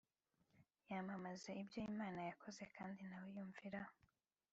yamamaza ibyo imana yakoze, kandi na we yumviraho